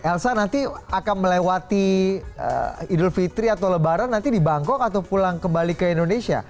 elsa nanti akan melewati idul fitri atau lebaran nanti di bangkok atau pulang kembali ke indonesia